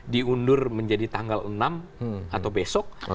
diundur menjadi tanggal enam atau besok